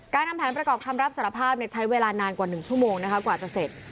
ทำแผนประกอบคำรับสารภาพใช้เวลานานกว่า๑ชั่วโมงนะคะกว่าจะเสร็จ